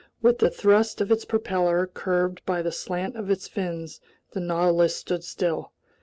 With the thrust of its propeller curbed by the slant of its fins, the Nautilus stood still.